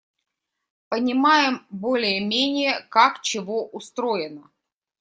Понимаем более-менее, как чего устроено.